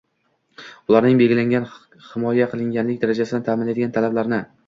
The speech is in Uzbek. ularning belgilangan himoya qilinganlik darajasini ta’minlaydigan talablarni;